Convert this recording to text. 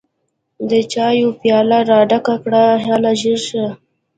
د چايو پياله راډکه کړه هله ژر شه!